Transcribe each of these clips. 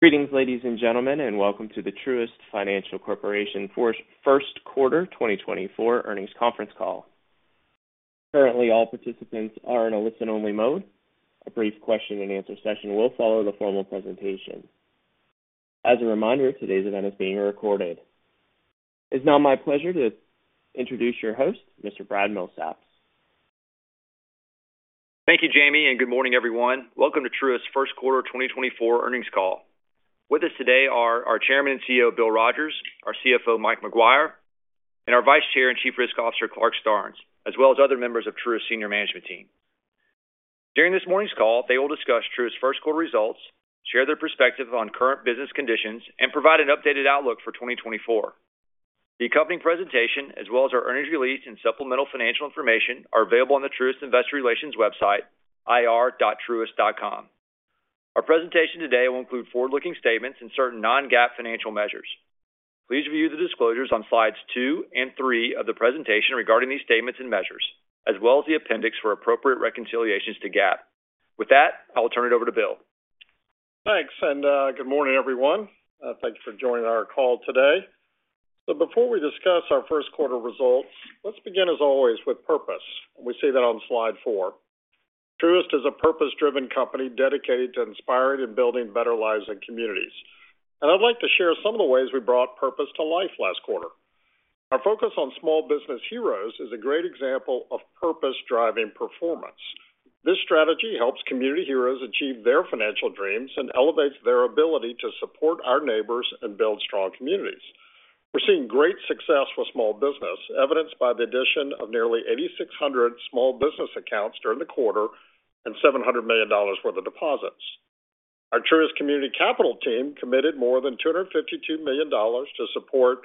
Greetings, ladies and gentlemen, and welcome to the Truist Financial Corporation First Quarter 2024 Earnings Conference Call. Currently, all participants are in a listen-only mode. A brief question-and-answer session will follow the formal presentation. As a reminder, today's event is being recorded. It's now my pleasure to introduce your host, Mr. Brad Milsaps. Thank you, Jamie, and good morning, everyone. Welcome to Truist's First Quarter 2024 Earnings Call. With us today are our Chairman and CEO, Bill Rogers; our CFO, Mike Maguire; and our Vice Chair and Chief Risk Officer, Clarke Starnes, as well as other members of Truist's senior management team. During this morning's call, they will discuss Truist's first quarter results, share their perspective on current business conditions, and provide an updated outlook for 2024. The accompanying presentation, as well as our earnings release and supplemental financial information, are available on the Truist Investor Relations website, ir.truist.com. Our presentation today will include forward-looking statements and certain non-GAAP financial measures. Please review the disclosures on slides two and three of the presentation regarding these statements and measures, as well as the appendix for appropriate reconciliations to GAAP. With that, I'll turn it over to Bill. Thanks, and good morning, everyone. Thanks for joining our call today. Before we discuss our first quarter results, let's begin, as always, with purpose, and we see that on Slide four. Truist is a purpose-driven company dedicated to inspiring and building better lives in communities, and I'd like to share some of the ways we brought purpose to life last quarter. Our focus on Small Business Heroes is a great example of purpose-driving performance. This strategy helps community heroes achieve their financial dreams and elevates their ability to support our neighbors and build strong communities. We're seeing great success with small business, evidenced by the addition of nearly 8,600 small business accounts during the quarter and $700 million worth of deposits. Our Truist Community Capital team committed more than $252 million to support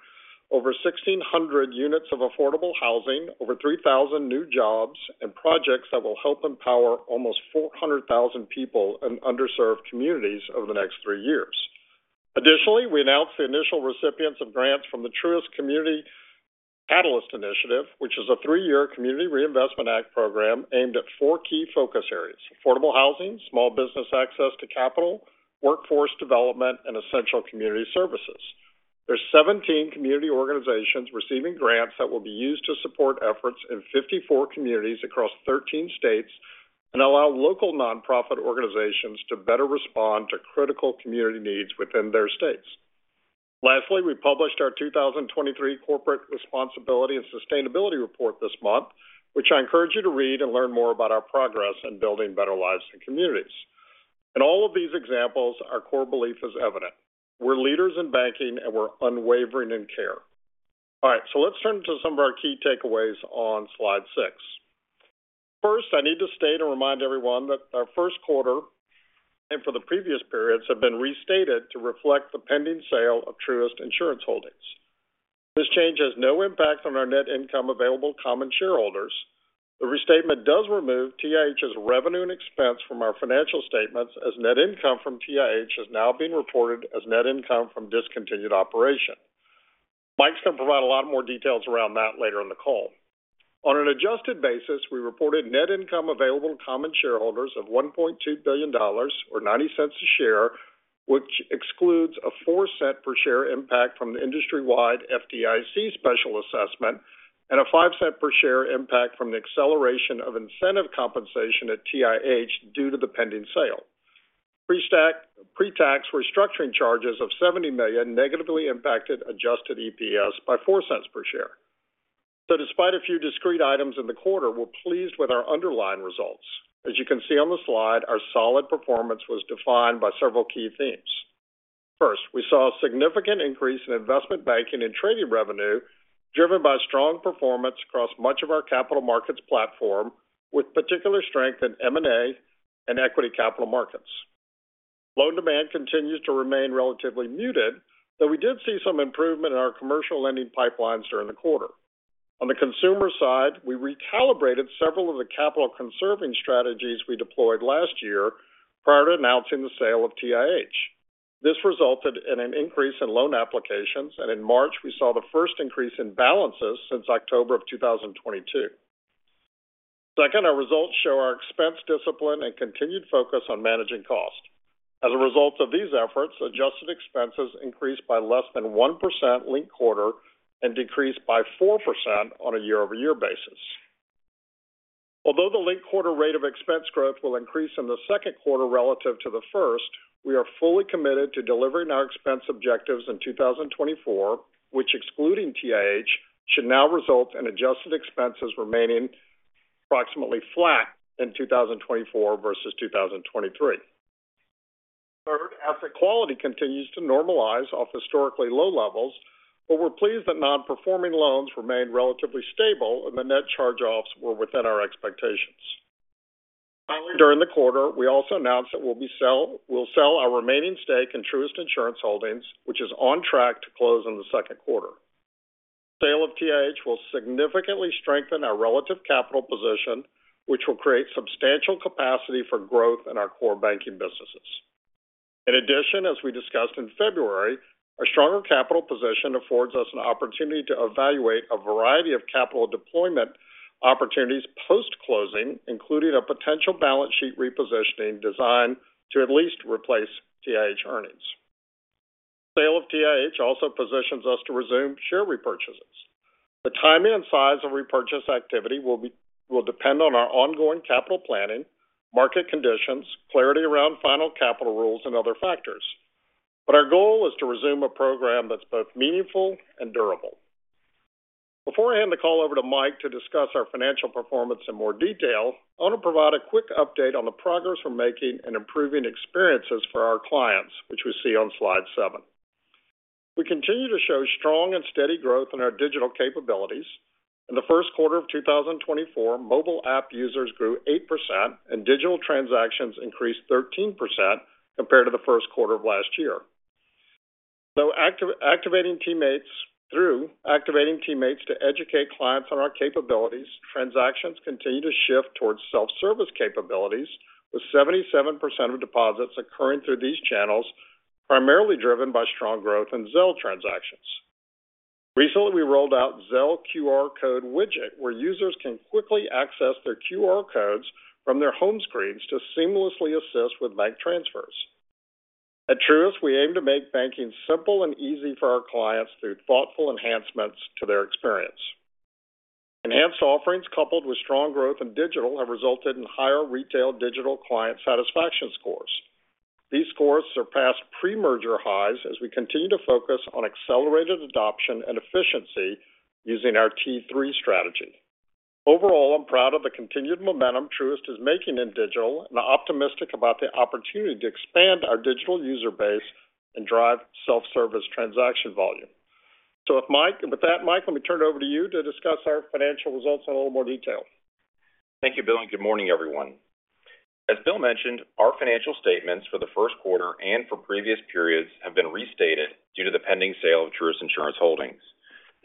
over 1,600 units of affordable housing, over 3,000 new jobs, and projects that will help empower almost 400,000 people in underserved communities over the next three years. Additionally, we announced the initial recipients of grants from the Truist Community Catalyst Initiative, which is a three year Community Reinvestment Act program aimed at four key focus areas: affordable housing, small business access to capital, workforce development, and essential community services. There are 17 community organizations receiving grants that will be used to support efforts in 54 communities across 13 states and allow local nonprofit organizations to better respond to critical community needs within their states. Lastly, we published our 2023 Corporate Responsibility and Sustainability Report this month, which I encourage you to read and learn more about our progress in building better lives in communities. In all of these examples, our core belief is evident: we're leaders in banking, and we're unwavering in care. All right, so let's turn to some of our key takeaways on Slide six. First, I need to state and remind everyone that our first quarter and for the previous periods have been restated to reflect the pending sale of Truist Insurance Holdings. This change has no impact on our net income available common shareholders. The restatement does remove TIH's revenue and expense from our financial statements, as net income from TIH is now being reported as net income from discontinued operations. Mike's going to provide a lot more details around that later in the call. On an adjusted basis, we reported net income available to common shareholders of $1.2 billion or $0.90 per share, which excludes a $0.04 per share impact from the industry-wide FDIC special assessment and a $0.05 per share impact from the acceleration of incentive compensation at TIH due to the pending sale. Pretax restructuring charges of $70 million negatively impacted adjusted EPS by $0.04 per share. So despite a few discrete items in the quarter, we're pleased with our underlying results. As you can see on the slide, our solid performance was defined by several key themes. First, we saw a significant increase in investment banking and trading revenue driven by strong performance across much of our capital markets platform, with particular strength in M&A and equity capital markets. Loan demand continues to remain relatively muted, though we did see some improvement in our commercial lending pipelines during the quarter. On the consumer side, we recalibrated several of the capital-conserving strategies we deployed last year prior to announcing the sale of TIH. This resulted in an increase in loan applications, and in March, we saw the first increase in balances since October of 2022. Second, our results show our expense discipline and continued focus on managing cost. As a result of these efforts, adjusted expenses increased by less than 1% linked quarter and decreased by 4% on a year-over-year basis. Although the linked quarter rate of expense growth will increase in the second quarter relative to the first, we are fully committed to delivering our expense objectives in 2024, which, excluding TIH, should now result in adjusted expenses remaining approximately flat in 2024 versus 2023. Third, asset quality continues to normalize off historically low levels, but we're pleased that non-performing loans remain relatively stable and the net charge-offs were within our expectations. Finally, during the quarter, we also announced that we'll sell our remaining stake in Truist Insurance Holdings, which is on track to close in the second quarter. The sale of TIH will significantly strengthen our relative capital position, which will create substantial capacity for growth in our core banking businesses. In addition, as we discussed in February, our stronger capital position affords us an opportunity to evaluate a variety of capital deployment opportunities post-closing, including a potential balance sheet repositioning designed to at least replace TIH earnings. The sale of TIH also positions us to resume share repurchases. The timing and size of repurchase activity will depend on our ongoing capital planning, market conditions, clarity around final capital rules, and other factors. But our goal is to resume a program that's both meaningful and durable. Before I hand the call over to Mike to discuss our financial performance in more detail, I want to provide a quick update on the progress we're making in improving experiences for our clients, which we see on slide 7. We continue to show strong and steady growth in our digital capabilities. In the first quarter of 2024, mobile app users grew 8%, and digital transactions increased 13% compared to the first quarter of last year. Through activating teammates to educate clients on our capabilities, transactions continue to shift towards self-service capabilities, with 77% of deposits occurring through these channels, primarily driven by strong growth in Zelle transactions. Recently, we rolled out Zelle QR Code widget, where users can quickly access their QR codes from their home screens to seamlessly assist with bank transfers. At Truist, we aim to make banking simple and easy for our clients through thoughtful enhancements to their experience. Enhanced offerings coupled with strong growth in digital have resulted in higher retail digital client satisfaction scores. These scores surpassed pre-merger highs as we continue to focus on accelerated adoption and efficiency using our T3 strategy. Overall, I'm proud of the continued momentum Truist is making in digital and optimistic about the opportunity to expand our digital user base and drive self-service transaction volume. So with that, Mike, let me turn it over to you to discuss our financial results in a little more detail. Thank you, Bill, and good morning, everyone. As Bill mentioned, our financial statements for the first quarter and for previous periods have been restated due to the pending sale of Truist Insurance Holdings.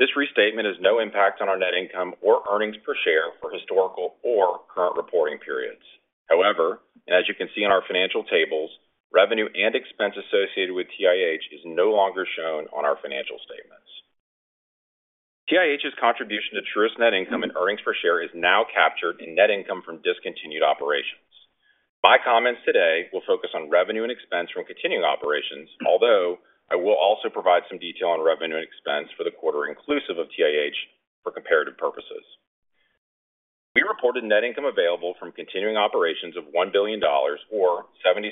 This restatement has no impact on our net income or earnings per share for historical or current reporting periods. However, and as you can see in our financial tables, revenue and expense associated with TIH is no longer shown on our financial statements. TIH's contribution to Truist net income and earnings per share is now captured in net income from discontinued operations. My comments today will focus on revenue and expense from continuing operations, although I will also provide some detail on revenue and expense for the quarter inclusive of TIH for comparative purposes. We reported net income available from continuing operations of $1 billion or $0.76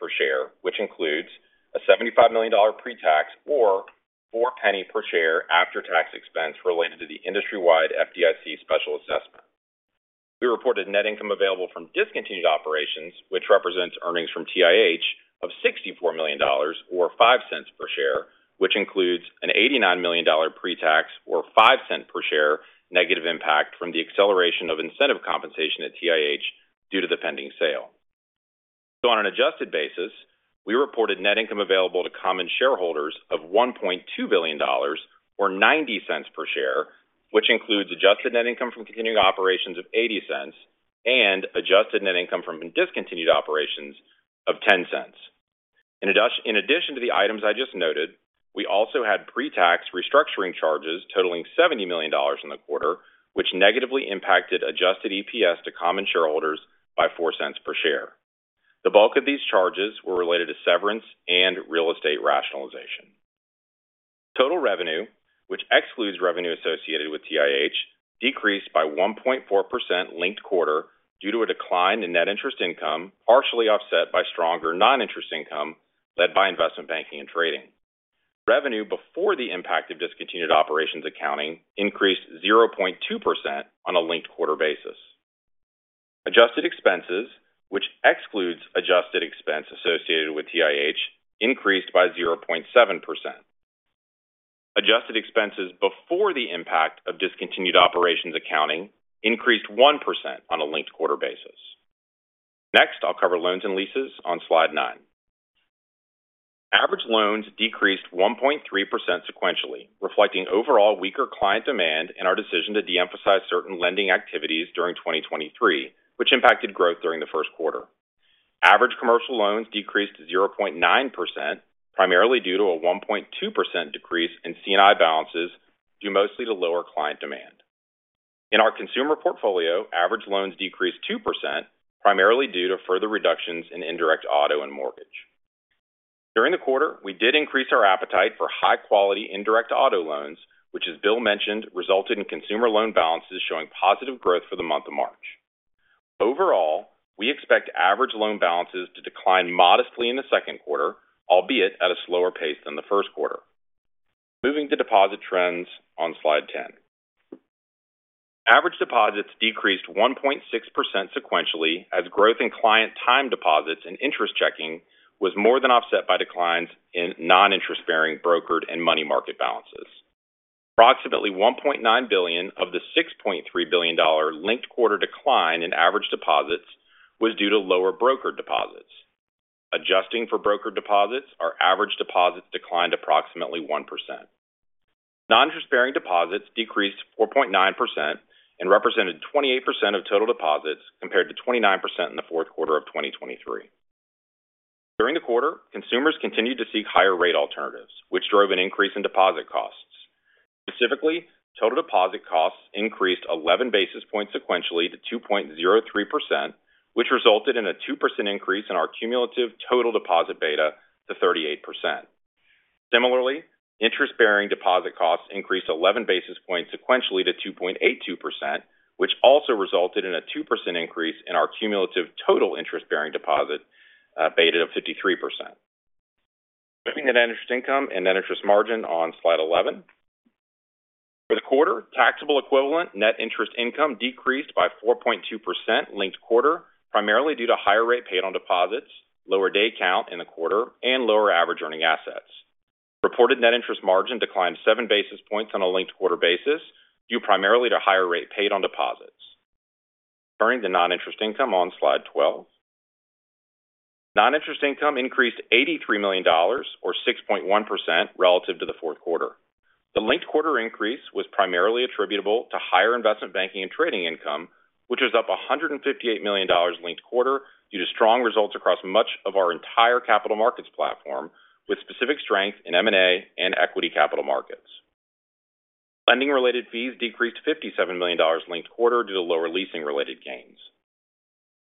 per share, which includes a $75 million pretax or $0.04 per share after-tax expense related to the industry-wide FDIC special assessment. We reported net income available from discontinued operations, which represents earnings from TIH, of $64 million or $0.05 per share, which includes an $89 million pretax or $0.05 per share negative impact from the acceleration of incentive compensation at TIH due to the pending sale. So on an adjusted basis, we reported net income available to common shareholders of $1.2 billion or $0.90 per share, which includes adjusted net income from continuing operations of $0.80 and adjusted net income from discontinued operations of $0.10. In addition to the items I just noted, we also had pretax restructuring charges totaling $70 million in the quarter, which negatively impacted adjusted EPS to common shareholders by $0.04 per share. The bulk of these charges were related to severance and real estate rationalization. Total revenue, which excludes revenue associated with TIH, decreased by 1.4% linked quarter due to a decline in net interest income partially offset by stronger non-interest income led by investment banking and trading. Revenue before the impact of discontinued operations accounting increased 0.2% on a linked quarter basis. Adjusted expenses, which excludes adjusted expense associated with TIH, increased by 0.7%. Adjusted expenses before the impact of discontinued operations accounting increased 1% on a linked quarter basis. Next, I'll cover loans and leases on slide 9. Average loans decreased 1.3% sequentially, reflecting overall weaker client demand and our decision to deemphasize certain lending activities during 2023, which impacted growth during the first quarter. Average commercial loans decreased 0.9% primarily due to a 1.2% decrease in C&I balances due mostly to lower client demand. In our consumer portfolio, average loans decreased 2% primarily due to further reductions in indirect auto and mortgage. During the quarter, we did increase our appetite for high-quality indirect auto loans, which, as Bill mentioned, resulted in consumer loan balances showing positive growth for the month of March. Overall, we expect average loan balances to decline modestly in the second quarter, albeit at a slower pace than the first quarter. Moving to deposit trends on Slide 10. Average deposits decreased 1.6% sequentially as growth in client time deposits and interest checking was more than offset by declines in non-interest-bearing brokered and money market balances. Approximately $1.9 billion of the $6.3 billion linked quarter decline in average deposits was due to lower brokered deposits. Adjusting for brokered deposits, our average deposits declined approximately 1%. Non-interest-bearing deposits decreased 4.9% and represented 28% of total deposits compared to 29% in the fourth quarter of 2023. During the quarter, consumers continued to seek higher-rate alternatives, which drove an increase in deposit costs. Specifically, total deposit costs increased 11 basis points sequentially to 2.03%, which resulted in a 2% increase in our cumulative total deposit beta to 38%. Similarly, interest-bearing deposit costs increased 11 basis points sequentially to 2.82%, which also resulted in a 2% increase in our cumulative total interest-bearing deposit beta of 53%. Moving to net interest income and net interest margin on Slide 11. For the quarter, taxable equivalent net interest income decreased by 4.2% linked quarter, primarily due to higher rate paid on deposits, lower day count in the quarter, and lower average earning assets. Reported net interest margin declined seven basis points on a linked-quarter basis due primarily to higher rate paid on deposits. Turning to non-interest income on Slide 12. Non-interest income increased $83 million or 6.1% relative to the fourth quarter. The linked-quarter increase was primarily attributable to higher investment banking and trading income, which is up $158 million linked-quarter due to strong results across much of our entire capital markets platform, with specific strength in M&A and equity capital markets. Lending-related fees decreased $57 million linked-quarter due to lower leasing-related gains.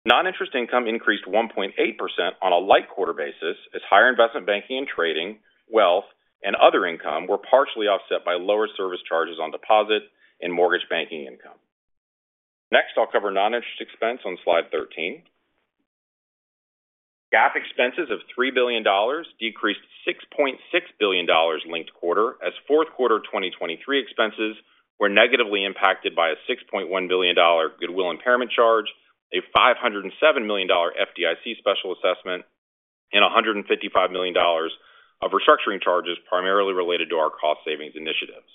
Non-interest income increased 1.8% on a year-over-year basis as higher investment banking and trading, wealth, and other income were partially offset by lower service charges on deposits and mortgage banking income. Next, I'll cover non-interest expense on Slide 13. GAAP expenses of $3 billion decreased $6.6 billion linked quarter as fourth quarter 2023 expenses were negatively impacted by a $6.1 billion goodwill impairment charge, a $507 million FDIC special assessment, and $155 million of restructuring charges primarily related to our cost-savings initiatives.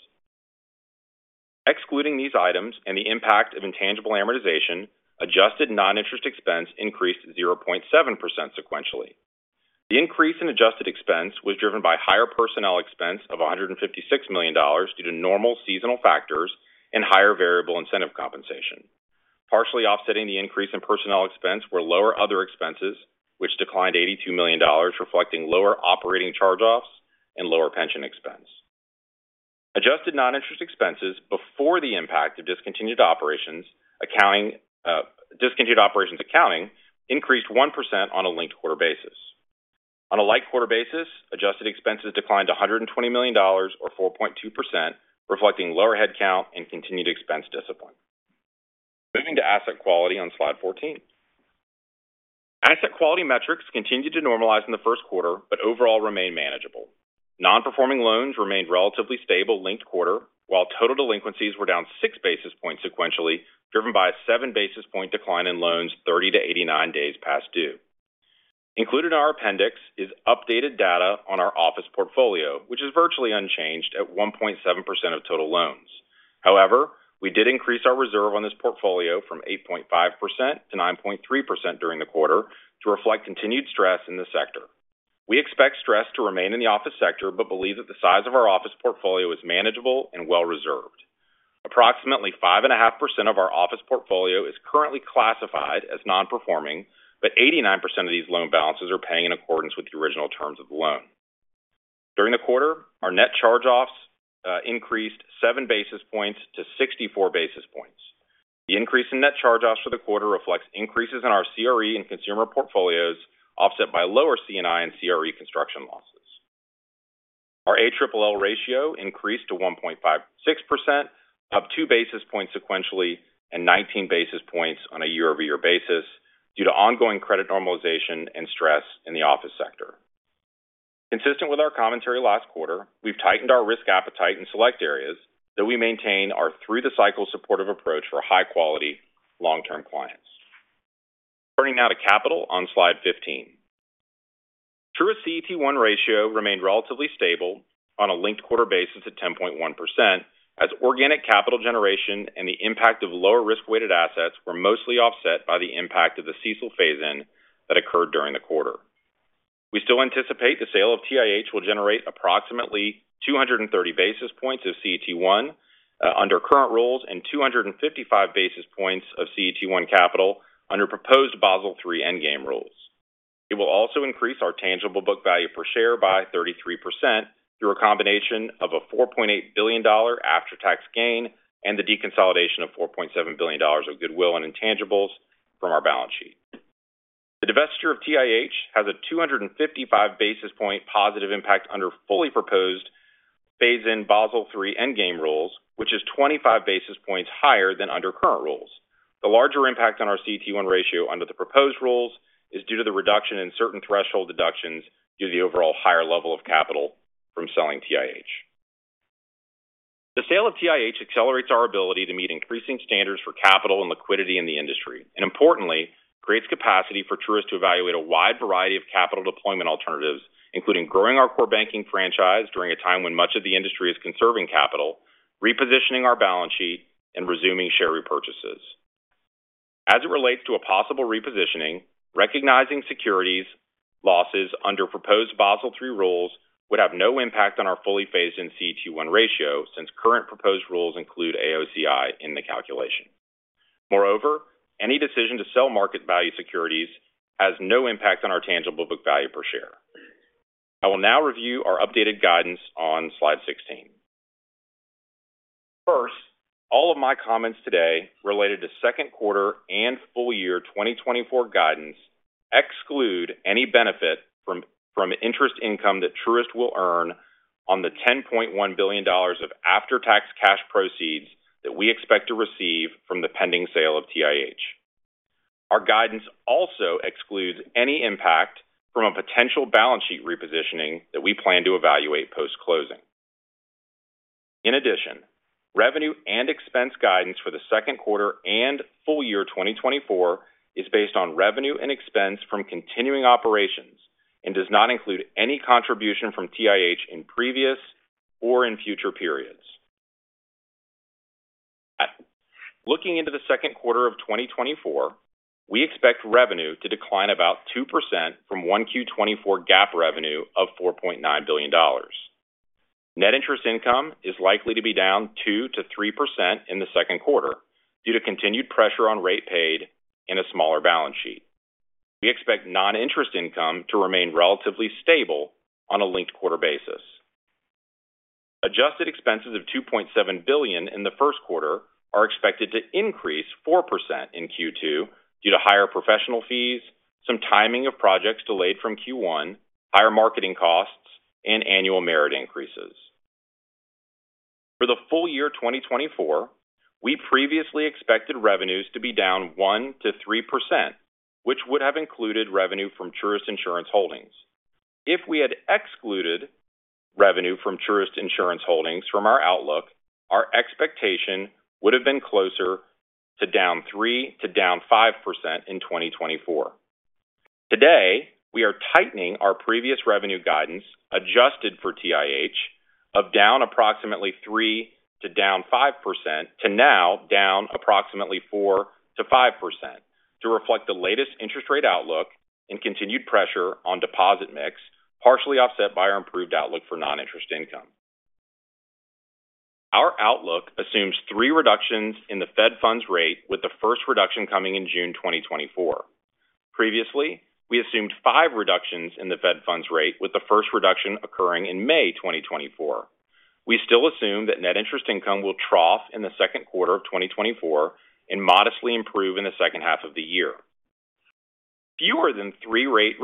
Excluding these items and the impact of intangible amortization, adjusted non-interest expense increased 0.7% sequentially. The increase in adjusted expense was driven by higher personnel expense of $156 million due to normal seasonal factors and higher variable incentive compensation. Partially offsetting the increase in personnel expense were lower other expenses, which declined $82 million, reflecting lower operating charge-offs and lower pension expense. Adjusted non-interest expenses before the impact of discontinued operations accounting increased 1% on a linked quarter basis. On a linked quarter basis, adjusted expenses declined $120 million or 4.2%, reflecting lower headcount and continued expense discipline. Moving to asset quality on Slide 14. Asset quality metrics continued to normalize in the first quarter but overall remain manageable. Non-performing loans remained relatively stable linked quarter, while total delinquencies were down 6 basis points sequentially, driven by a 7 basis point decline in loans 30 to 89 days past due. Included in our appendix is updated data on our office portfolio, which is virtually unchanged at 1.7% of total loans. However, we did increase our reserve on this portfolio from 8.5% to 9.3% during the quarter to reflect continued stress in the sector. We expect stress to remain in the office sector but believe that the size of our office portfolio is manageable and well-reserved. Approximately 5.5% of our office portfolio is currently classified as non-performing, but 89% of these loan balances are paying in accordance with the original terms of the loan. During the quarter, our net charge-offs increased 7 basis points to 64 basis points. The increase in net charge-offs for the quarter reflects increases in our CRE and consumer portfolios offset by lower C&I and CRE construction losses. Our ALLL ratio increased to 1.56%, up 2 basis points sequentially and 19 basis points on a year-over-year basis due to ongoing credit normalization and stress in the office sector. Consistent with our commentary last quarter, we've tightened our risk appetite in select areas, though we maintain our through-the-cycle supportive approach for high-quality, long-term clients. Turning now to capital on Slide 15. Truist CET1 ratio remained relatively stable on a linked quarter basis at 10.1% as organic capital generation and the impact of lower-risk-weighted assets were mostly offset by the impact of the CECL phase-in that occurred during the quarter. We still anticipate the sale of TIH will generate approximately 230 basis points of CET1 under current rules and 255 basis points of CET1 capital under proposed Basel III Endgame rules. It will also increase our tangible book value per share by 33% through a combination of a $4.8 billion after-tax gain and the deconsolidation of $4.7 billion of goodwill and intangibles from our balance sheet. The divestiture of TIH has a 255 basis points positive impact under fully proposed phase-in Basel III Endgame rules, which is 25 basis points higher than under current rules. The larger impact on our CET1 ratio under the proposed rules is due to the reduction in certain threshold deductions due to the overall higher level of capital from selling TIH. The sale of TIH accelerates our ability to meet increasing standards for capital and liquidity in the industry and, importantly, creates capacity for Truist to evaluate a wide variety of capital deployment alternatives, including growing our core banking franchise during a time when much of the industry is conserving capital, repositioning our balance sheet, and resuming share repurchases. As it relates to a possible repositioning, recognizing securities losses under proposed Basel III rules would have no impact on our fully phased-in CET1 ratio since current proposed rules include AOCI in the calculation. Moreover, any decision to sell market value securities has no impact on our tangible book value per share. I will now review our updated guidance on slide 16. First, all of my comments today related to second quarter and full year 2024 guidance exclude any benefit from interest income that Truist will earn on the $10.1 billion of after-tax cash proceeds that we expect to receive from the pending sale of TIH. Our guidance also excludes any impact from a potential balance sheet repositioning that we plan to evaluate post-closing. In addition, revenue and expense guidance for the second quarter and full year 2024 is based on revenue and expense from continuing operations and does not include any contribution from TIH in previous or in future periods. Looking into the second quarter of 2024, we expect revenue to decline about 2% from 1Q24 GAAP revenue of $4.9 billion. Net interest income is likely to be down 2%-3% in the second quarter due to continued pressure on rate paid and a smaller balance sheet. We expect non-interest income to remain relatively stable on a linked quarter basis. Adjusted expenses of $2.7 billion in the first quarter are expected to increase 4% in Q2 due to higher professional fees, some timing of projects delayed from Q1, higher marketing costs, and annual merit increases. For the full year 2024, we previously expected revenues to be down 1%-3%, which would have included revenue from Truist Insurance Holdings. If we had excluded revenue from Truist Insurance Holdings from our outlook, our expectation would have been closer to down 3%-5% in 2024. Today, we are tightening our previous revenue guidance adjusted for TIH of down approximately 3%-5% to now down approximately 4%-5% to reflect the latest interest rate outlook and continued pressure on deposit mix, partially offset by our improved outlook for non-interest income. Our outlook assumes three reductions in the Fed funds rate, with the first reduction coming in June 2024. Previously, we assumed five reductions in the Fed funds rate, with the first reduction occurring in May 2024. We still assume that net interest income will trough in the second quarter of 2024 and modestly improve in the second half of the year. Fewer than 3 rate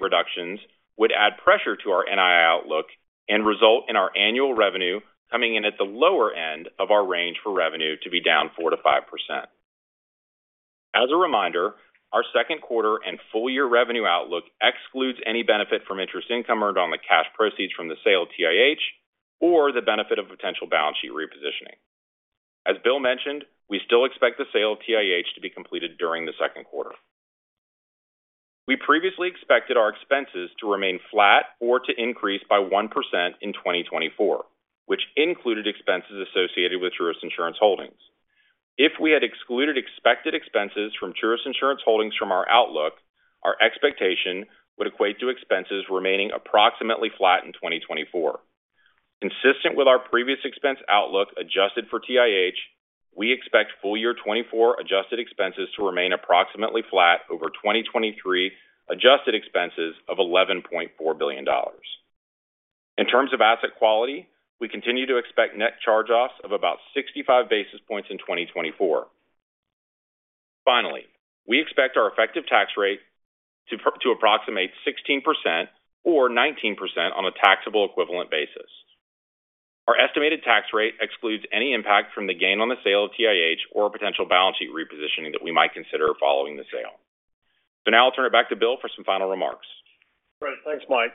reductions would add pressure to our NII outlook and result in our annual revenue coming in at the lower end of our range for revenue to be down 4%-5%. As a reminder, our second quarter and full year revenue outlook excludes any benefit from interest income earned on the cash proceeds from the sale of TIH or the benefit of potential balance sheet repositioning. As Bill mentioned, we still expect the sale of TIH to be completed during the second quarter. We previously expected our expenses to remain flat or to increase by 1% in 2024, which included expenses associated with Truist Insurance Holdings. If we had excluded expected expenses from Truist Insurance Holdings from our outlook, our expectation would equate to expenses remaining approximately flat in 2024. Consistent with our previous expense outlook adjusted for TIH, we expect full year 2024 adjusted expenses to remain approximately flat over 2023 adjusted expenses of $11.4 billion. In terms of asset quality, we continue to expect net charge-offs of about 65 basis points in 2024. Finally, we expect our effective tax rate to approximate 16% or 19% on a taxable equivalent basis. Our estimated tax rate excludes any impact from the gain on the sale of TIH or potential balance sheet repositioning that we might consider following the sale. So now I'll turn it back to Bill for some final remarks. Great. Thanks, Mike.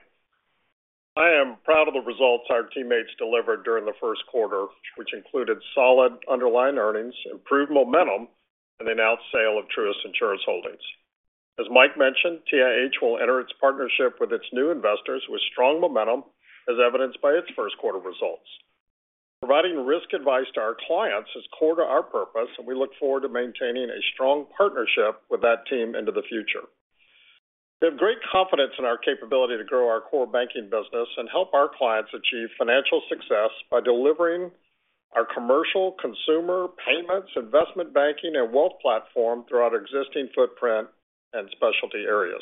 I am proud of the results our teammates delivered during the first quarter, which included solid underlying earnings, improved momentum, and the announced sale of Truist Insurance Holdings. As Mike mentioned, TIH will enter its partnership with its new investors with strong momentum, as evidenced by its first quarter results. Providing risk advice to our clients is core to our purpose, and we look forward to maintaining a strong partnership with that team into the future. We have great confidence in our capability to grow our core banking business and help our clients achieve financial success by delivering our commercial, consumer, payments, investment banking, and wealth platform throughout our existing footprint and specialty areas.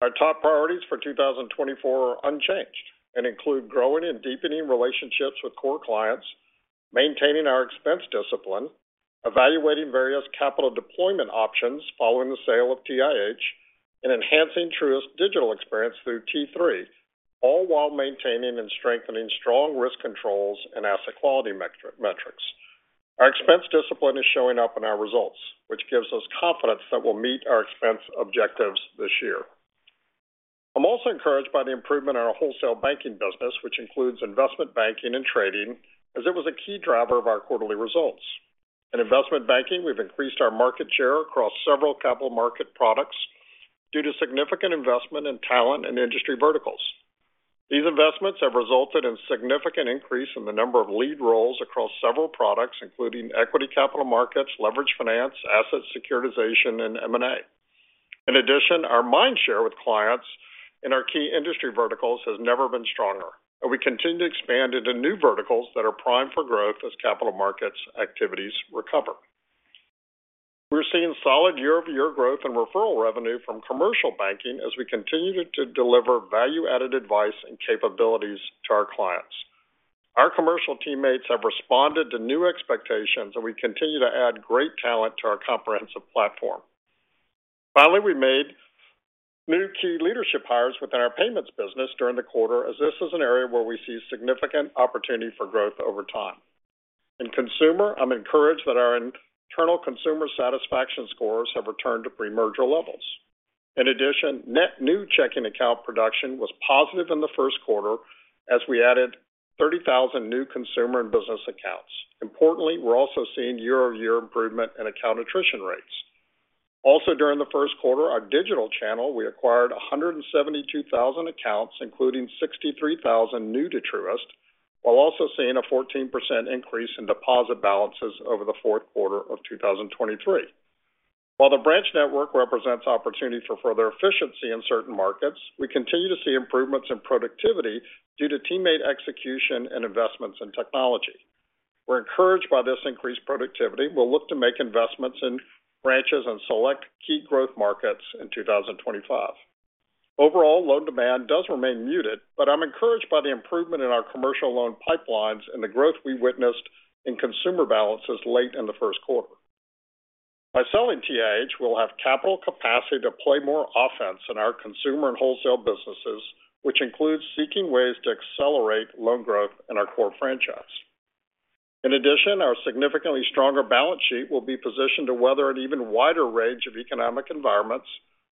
Our top priorities for 2024 are unchanged and include growing and deepening relationships with core clients, maintaining our expense discipline, evaluating various capital deployment options following the sale of TIH, and enhancing Truist's digital experience through T3, all while maintaining and strengthening strong risk controls and asset quality metrics. Our expense discipline is showing up in our results, which gives us confidence that we'll meet our expense objectives this year. I'm also encouraged by the improvement in our wholesale banking business, which includes investment banking and trading, as it was a key driver of our quarterly results. In investment banking, we've increased our market share across several capital market products due to significant investment in talent and industry verticals. These investments have resulted in a significant increase in the number of lead roles across several products, including equity capital markets, leveraged finance, asset securitization, and M&A. In addition, our mindshare with clients in our key industry verticals has never been stronger, and we continue to expand into new verticals that are primed for growth as capital markets activities recover. We're seeing solid year-over-year growth in referral revenue from commercial banking as we continue to deliver value-added advice and capabilities to our clients. Our commercial teammates have responded to new expectations, and we continue to add great talent to our comprehensive platform. Finally, we made new key leadership hires within our payments business during the quarter, as this is an area where we see significant opportunity for growth over time. In consumer, I'm encouraged that our internal consumer satisfaction scores have returned to pre-merger levels. In addition, net new checking account production was positive in the first quarter as we added 30,000 new consumer and business accounts. Importantly, we're also seeing year-over-year improvement in account attrition rates. Also, during the first quarter, our digital channel, we acquired 172,000 accounts, including 63,000 new to Truist, while also seeing a 14% increase in deposit balances over the fourth quarter of 2023. While the branch network represents opportunity for further efficiency in certain markets, we continue to see improvements in productivity due to teammate execution and investments in technology. We're encouraged by this increased productivity. We'll look to make investments in branches and select key growth markets in 2025. Overall, loan demand does remain muted, but I'm encouraged by the improvement in our commercial loan pipelines and the growth we witnessed in consumer balances late in the first quarter. By selling TIH, we'll have capital capacity to play more offense in our consumer and wholesale businesses, which includes seeking ways to accelerate loan growth in our core franchise. In addition, our significantly stronger balance sheet will be positioned to weather an even wider range of economic environments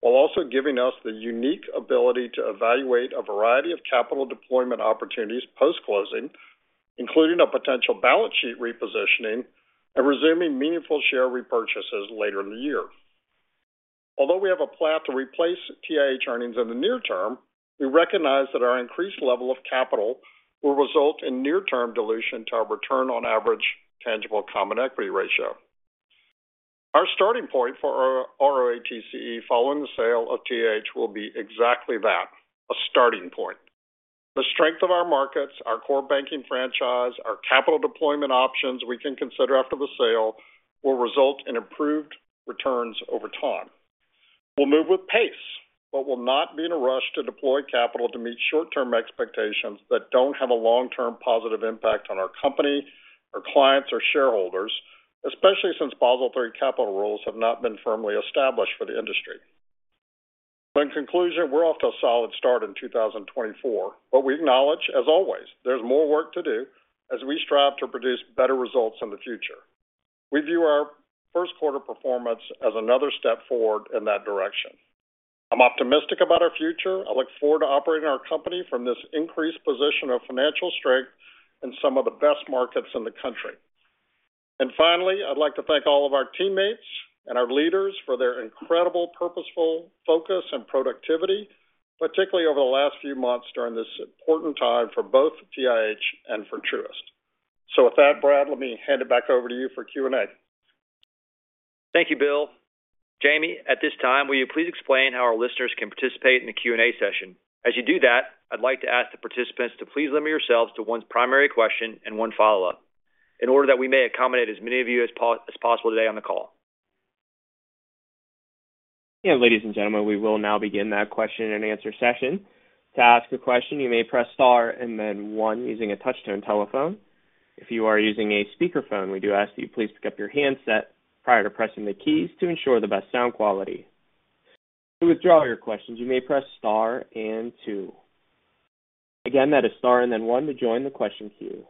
while also giving us the unique ability to evaluate a variety of capital deployment opportunities post-closing, including a potential balance sheet repositioning and resuming meaningful share repurchases later in the year. Although we have a plan to replace TIH earnings in the near term, we recognize that our increased level of capital will result in near-term dilution to our return on average tangible common equity ratio. Our starting point for ROATCE following the sale of TIH will be exactly that: a starting point. The strength of our markets, our core banking franchise, our capital deployment options we can consider after the sale will result in improved returns over time. We'll move with pace but will not be in a rush to deploy capital to meet short-term expectations that don't have a long-term positive impact on our company, our clients, or shareholders, especially since Basel III capital rules have not been firmly established for the industry. In conclusion, we're off to a solid start in 2024, but we acknowledge, as always, there's more work to do as we strive to produce better results in the future. We view our first quarter performance as another step forward in that direction. I'm optimistic about our future. I look forward to operating our company from this increased position of financial strength in some of the best markets in the country. Finally, I'd like to thank all of our teammates and our leaders for their incredible purposeful focus and productivity, particularly over the last few months during this important time for both TIH and for Truist. With that, Brad, let me hand it back over to you for Q&A. Thank you, Bill. Jamie, at this time, will you please explain how our listeners can participate in the Q&A session? As you do that, I'd like to ask the participants to please limit yourselves to one primary question and one follow-up in order that we may accommodate as many of you as possible today on the call. Yeah, ladies and gentlemen, we will now begin that question and answer session. To ask a question, you may press star and then one using a touch-tone telephone. If you are using a speakerphone, we do ask that you please pick up your handset prior to pressing the keys to ensure the best sound quality. To withdraw your questions, you may press star and two. Again, that is star and then one to join the question queue.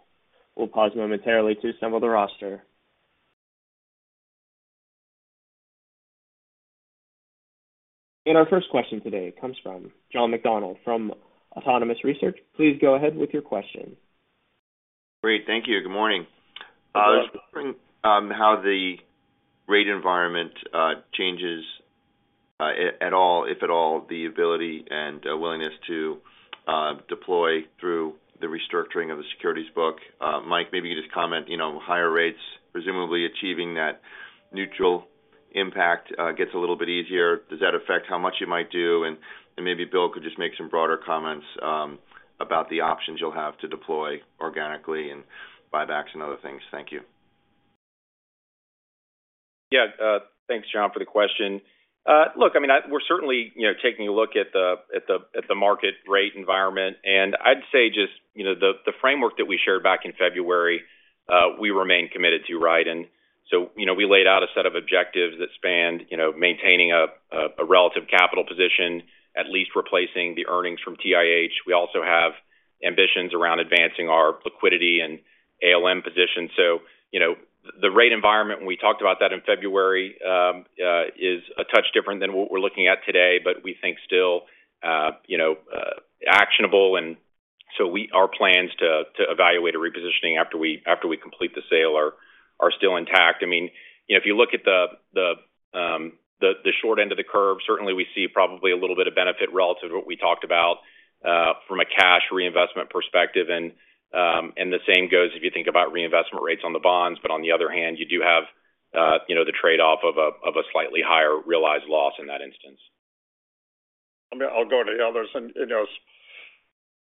We'll pause momentarily to assemble the roster. Our first question today comes from John McDonald from Autonomous Research. Please go ahead with your question. Great. Thank you. Good morning. I was wondering how the rate environment changes at all, if at all, the ability and willingness to deploy through the restructuring of the securities book. Mike, maybe you could just comment, higher rates, presumably achieving that neutral impact gets a little bit easier. Does that affect how much you might do? And maybe Bill could just make some broader comments about the options you'll have to deploy organically and buybacks and other things. Thank you. Yeah. Thanks, John, for the question. Look, I mean, we're certainly taking a look at the market rate environment, and I'd say just the framework that we shared back in February, we remain committed to, right? And so we laid out a set of objectives that spanned maintaining a relative capital position, at least replacing the earnings from TIH. We also have ambitions around advancing our liquidity and ALM position. So the rate environment, we talked about that in February, is a touch different than what we're looking at today, but we think still actionable. And so our plans to evaluate a repositioning after we complete the sale are still intact. I mean, if you look at the short end of the curve, certainly we see probably a little bit of benefit relative to what we talked about from a cash reinvestment perspective. The same goes if you think about reinvestment rates on the bonds. But on the other hand, you do have the trade-off of a slightly higher realized loss in that instance. I'll go to the others.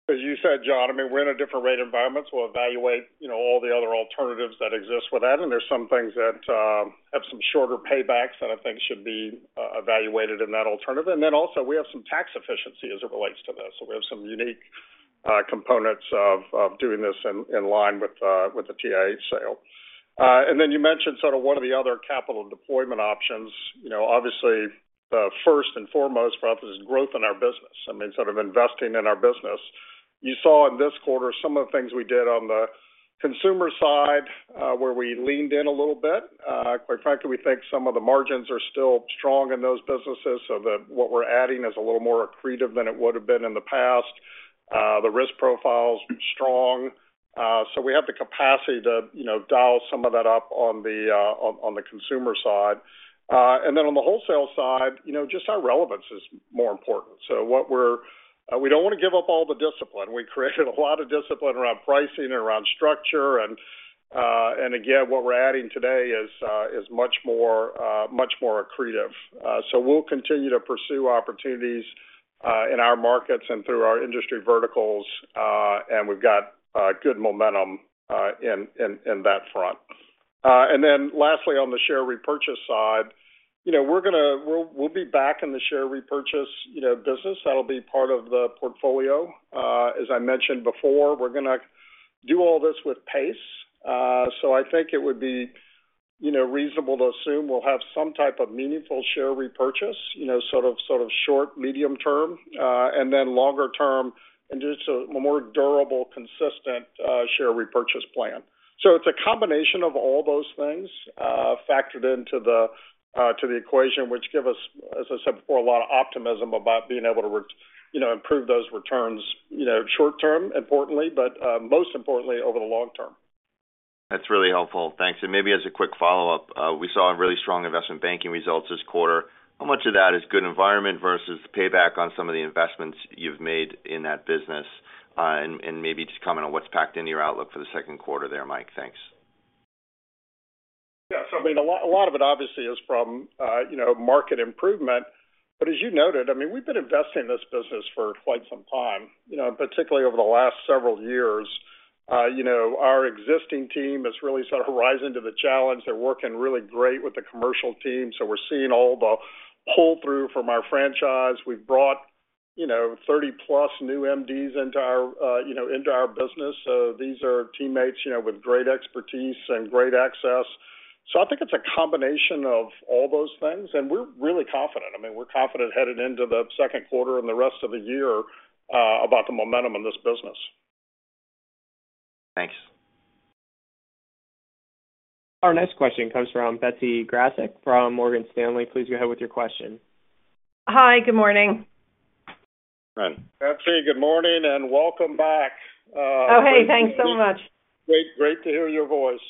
As you said, John, I mean, we're in a different rate environment. So we'll evaluate all the other alternatives that exist with that. And there's some things that have some shorter paybacks that I think should be evaluated in that alternative. And then also, we have some tax efficiency as it relates to this. So we have some unique components of doing this in line with the TIH sale. And then you mentioned sort of one of the other capital deployment options. Obviously, the first and foremost for us is growth in our business. I mean, sort of investing in our business. You saw in this quarter some of the things we did on the consumer side where we leaned in a little bit. Quite frankly, we think some of the margins are still strong in those businesses. So what we're adding is a little more accretive than it would have been in the past. The risk profile's strong. So we have the capacity to dial some of that up on the consumer side. And then on the wholesale side, just our relevance is more important. So we don't want to give up all the discipline. We created a lot of discipline around pricing and around structure. And again, what we're adding today is much more accretive. So we'll continue to pursue opportunities in our markets and through our industry verticals, and we've got good momentum in that front. And then lastly, on the share repurchase side, we'll be back in the share repurchase business. That'll be part of the portfolio. As I mentioned before, we're going to do all this with pace. So I think it would be reasonable to assume we'll have some type of meaningful share repurchase, sort of short, medium-term, and then longer-term and just a more durable, consistent share repurchase plan. So it's a combination of all those things factored into the equation, which give us, as I said before, a lot of optimism about being able to improve those returns short-term, importantly, but most importantly, over the long term. That's really helpful. Thanks. Maybe as a quick follow-up, we saw really strong investment banking results this quarter. How much of that is good environment versus the payback on some of the investments you've made in that business? Maybe just comment on what's packed into your outlook for the second quarter there, Mike. Thanks. Yeah. So I mean, a lot of it obviously is from market improvement. But as you noted, I mean, we've been investing in this business for quite some time, particularly over the last several years. Our existing team has really sort of risen to the challenge. They're working really great with the commercial team. So we're seeing all the pull-through from our franchise. We've brought 30+ new MDs into our business. So these are teammates with great expertise and great access. So I think it's a combination of all those things, and we're really confident. I mean, we're confident headed into the second quarter and the rest of the year about the momentum in this business. Thanks. Our next question comes from Betsy Graseck from Morgan Stanley. Please go ahead with your question. Hi. Good morning. Betsy, good morning and welcome back. Oh, hey. Thanks so much. Great to hear your voice.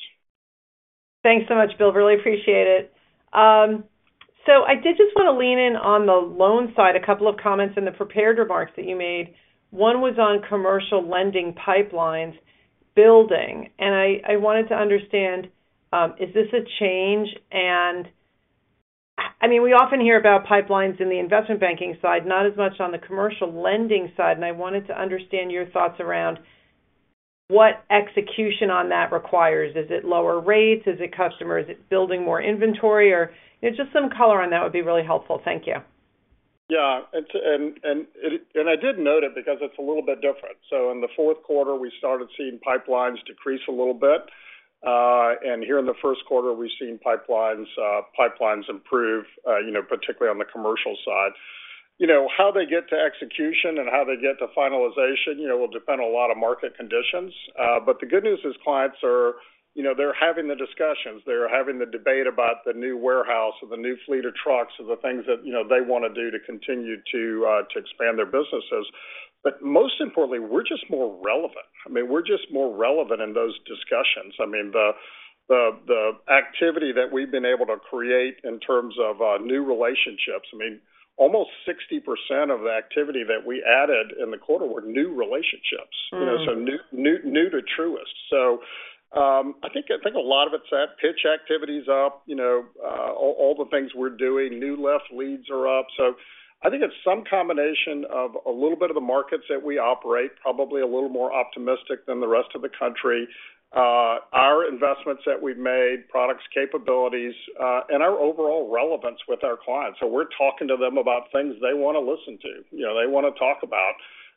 Thanks so much, Bill. Really appreciate it. I did just want to lean in on the loan side, a couple of comments in the prepared remarks that you made. One was on commercial lending pipelines building. I wanted to understand, is this a change? I mean, we often hear about pipelines in the investment banking side, not as much on the commercial lending side. I wanted to understand your thoughts around what execution on that requires. Is it lower rates? Is it customer? Is it building more inventory? Or just some color on that would be really helpful. Thank you. Yeah. And I did note it because it's a little bit different. So in the fourth quarter, we started seeing pipelines decrease a little bit. And here in the first quarter, we've seen pipelines improve, particularly on the commercial side. How they get to execution and how they get to finalization will depend on a lot of market conditions. But the good news is clients, they're having the discussions. They're having the debate about the new warehouse and the new fleet of trucks and the things that they want to do to continue to expand their businesses. But most importantly, we're just more relevant. I mean, we're just more relevant in those discussions. I mean, the activity that we've been able to create in terms of new relationships, I mean, almost 60% of the activity that we added in the quarter were new relationships, so new to Truist. So I think a lot of it's that pitch activities up, all the things we're doing. New left leads are up. So I think it's some combination of a little bit of the markets that we operate, probably a little more optimistic than the rest of the country, our investments that we've made, products, capabilities, and our overall relevance with our clients. So we're talking to them about things they want to listen to, they want to talk about.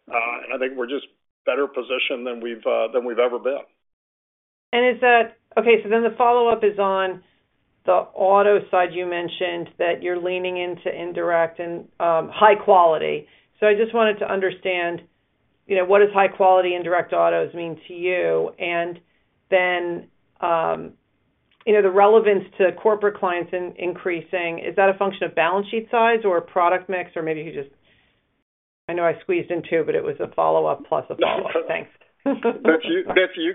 And I think we're just better positioned than we've ever been. Okay. So then the follow-up is on the auto side. You mentioned that you're leaning into indirect and high-quality. So I just wanted to understand, what does high-quality indirect autos mean to you? And then the relevance to corporate clients increasing, is that a function of balance sheet size or product mix? Or maybe you could just. I know I squeezed in two, but it was a follow-up plus a follow-up. Thanks. Betsy, you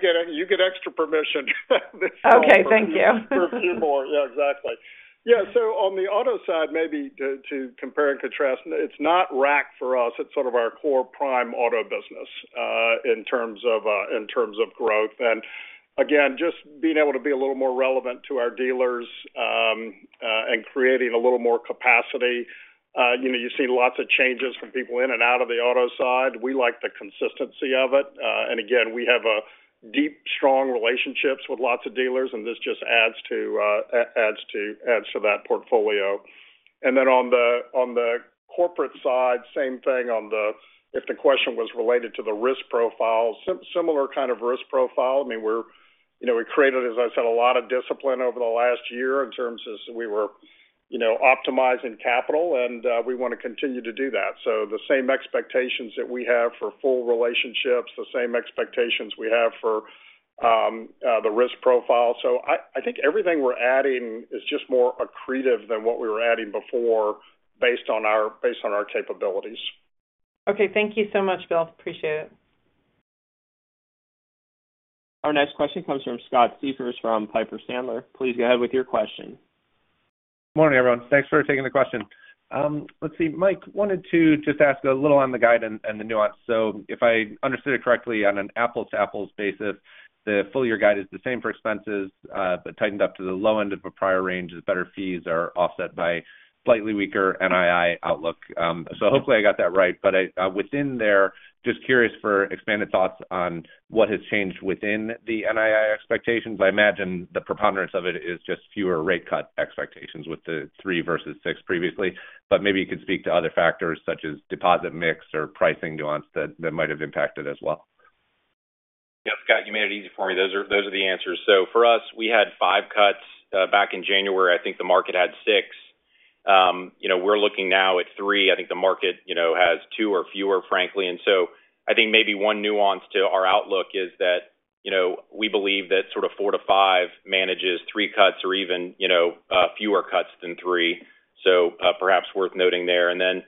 get extra permission this morning. Okay. Thank you. For a few more. Yeah, exactly. Yeah. So on the auto side, maybe to compare and contrast, it's not RAC for us. It's sort of our core prime auto business in terms of growth. And again, just being able to be a little more relevant to our dealers and creating a little more capacity. You've seen lots of changes from people in and out of the auto side. We like the consistency of it. And again, we have deep, strong relationships with lots of dealers, and this just adds to that portfolio. And then on the corporate side, same thing. If the question was related to the risk profile, similar kind of risk profile. I mean, we created, as I said, a lot of discipline over the last year in terms of we were optimizing capital, and we want to continue to do that. So the same expectations that we have for full relationships, the same expectations we have for the risk profile. So I think everything we're adding is just more accretive than what we were adding before based on our capabilities. Okay. Thank you so much, Bill. Appreciate it. Our next question comes from Scott Siefers from Piper Sandler. Please go ahead with your question. Good morning, everyone. Thanks for taking the question. Let's see. Mike wanted to just ask a little on the guide and the nuance. So if I understood it correctly, on an apples-to-apples basis, the full-year guide is the same for expenses, but tightened up to the low end of a prior range as better fees are offset by slightly weaker NII outlook. So hopefully, I got that right. But within there, just curious for expanded thoughts on what has changed within the NII expectations. I imagine the preponderance of it is just fewer rate cut expectations with the 3 versus 6 previously. But maybe you could speak to other factors such as deposit mix or pricing nuance that might have impacted as well. Yeah, Scott, you made it easy for me. Those are the answers. So for us, we had 5 cuts back in January. I think the market had 6. We're looking now at 3. I think the market has 2 or fewer, frankly. And so I think maybe one nuance to our outlook is that we believe that sort of 4 to 5 manages 3 cuts or even fewer cuts than 3. So perhaps worth noting there. And then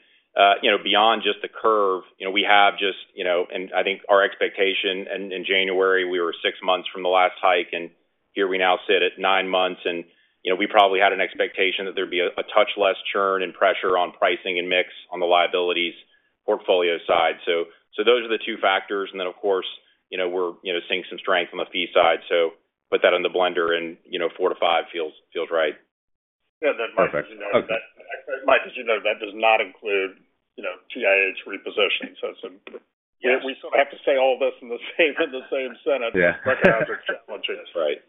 beyond just the curve, we have just and I think our expectation in January, we were 6 months from the last hike, and here we now sit at 9 months. And we probably had an expectation that there'd be a touch less churn and pressure on pricing and mix on the liabilities portfolio side. So those are the two factors. And then, of course, we're seeing some strength on the fee side. So put that in the blender, and 4-5 feels right. Yeah. Mike, as you noted, that does not include TIH repositioning. So we sort of have to say all this in the same sentence. Recognize it's challenging.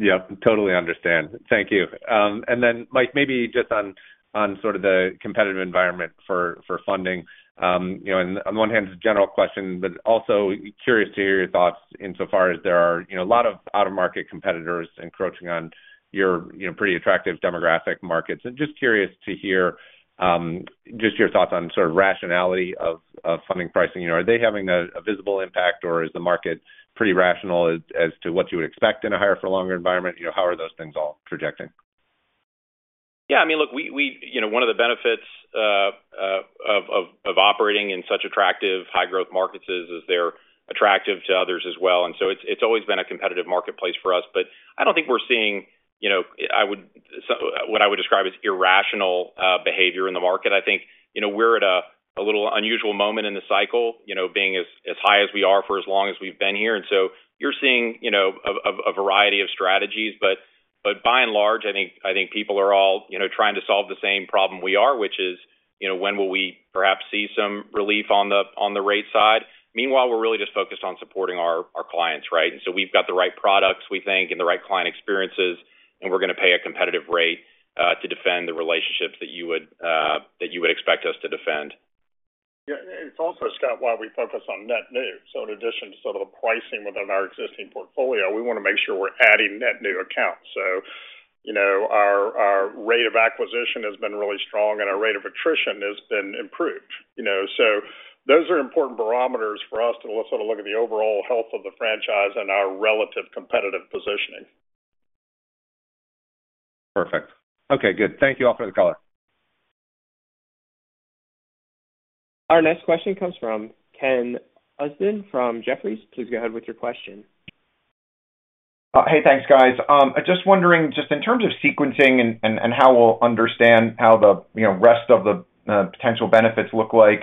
Yep. Totally understand. Thank you. And then, Mike, maybe just on sort of the competitive environment for funding. And on the one hand, it's a general question, but also curious to hear your thoughts insofar as there are a lot of out-of-market competitors encroaching on your pretty attractive demographic markets. And just curious to hear just your thoughts on sort of rationality of funding pricing. Are they having a visible impact, or is the market pretty rational as to what you would expect in a higher-for-longer environment? How are those things all projecting? Yeah. I mean, look, one of the benefits of operating in such attractive, high-growth markets is they're attractive to others as well. And so it's always been a competitive marketplace for us. But I don't think we're seeing what I would describe as irrational behavior in the market. I think we're at a little unusual moment in the cycle, being as high as we are for as long as we've been here. And so you're seeing a variety of strategies. But by and large, I think people are all trying to solve the same problem we are, which is, when will we perhaps see some relief on the rate side? Meanwhile, we're really just focused on supporting our clients, right? And so we've got the right products, we think, and the right client experiences, and we're going to pay a competitive rate to defend the relationships that you would expect us to defend. Yeah. And it's also, Scott, why we focus on net new. So in addition to sort of the pricing within our existing portfolio, we want to make sure we're adding net new accounts. So our rate of acquisition has been really strong, and our rate of attrition has been improved. So those are important barometers for us to sort of look at the overall health of the franchise and our relative competitive positioning. Perfect. Okay. Good. Thank you all for the color. Our next question comes from Ken Usden from Jefferies. Please go ahead with your question. Hey. Thanks, guys. Just wondering, just in terms of sequencing and how we'll understand how the rest of the potential benefits look like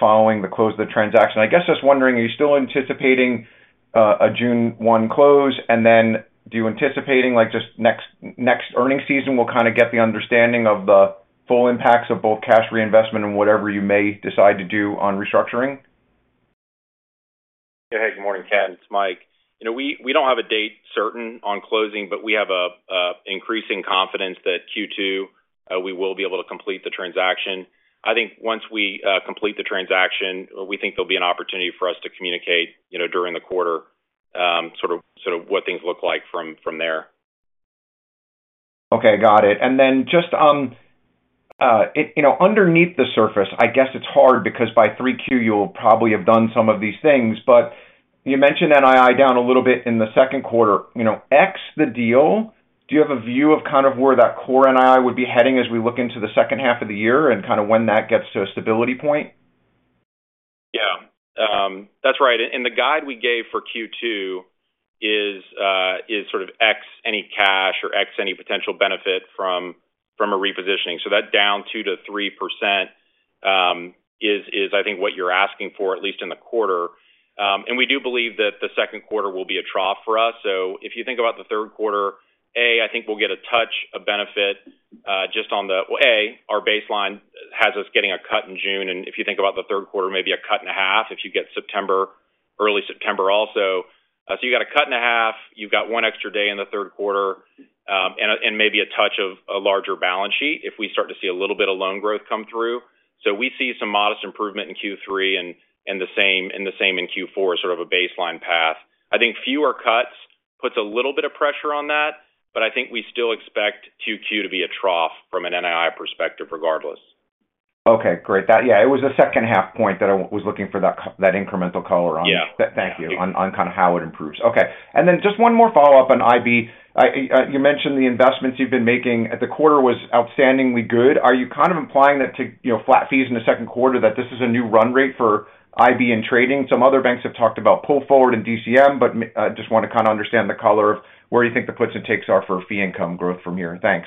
following the close of the transaction, I guess just wondering, are you still anticipating a June 1 close? And then do you anticipate just next earnings season will kind of get the understanding of the full impacts of both cash reinvestment and whatever you may decide to do on restructuring? Yeah. Hey. Good morning, Ken. It's Mike. We don't have a date certain on closing, but we have increasing confidence that Q2, we will be able to complete the transaction. I think once we complete the transaction, we think there'll be an opportunity for us to communicate during the quarter sort of what things look like from there. Okay. Got it. And then just underneath the surface, I guess it's hard because by 3Q, you'll probably have done some of these things. But you mentioned NII down a little bit in the second quarter. Ex the deal, do you have a view of kind of where that core NII would be heading as we look into the second half of the year and kind of when that gets to a stability point? Yeah. That's right. And the guide we gave for Q2 is sort of ex any cash or ex any potential benefit from a repositioning. So that down 2%-3% is, I think, what you're asking for, at least in the quarter. And we do believe that the second quarter will be a trough for us. So if you think about the third quarter, I think we'll get a touch of benefit just on the well, our baseline has us getting a cut in June. And if you think about the third quarter, maybe a cut and a half if you get early September also. So you got a cut and a half. You've got one extra day in the third quarter and maybe a touch of a larger balance sheet if we start to see a little bit of loan growth come through. So we see some modest improvement in Q3 and the same in Q4, sort of a baseline path. I think fewer cuts puts a little bit of pressure on that, but I think we still expect Q2 to be a trough from an NII perspective regardless. Okay. Great. Yeah. It was the second-half point that I was looking for, that incremental color on. Thank you on kind of how it improves. Okay. And then just one more follow-up on IB. You mentioned the investments you've been making. The quarter was outstandingly good. Are you kind of implying that to flat fees in the second quarter, that this is a new run rate for IB and trading? Some other banks have talked about pull forward and DCM, but just want to kind of understand the color of where you think the puts and takes are for fee income growth from here. Thanks.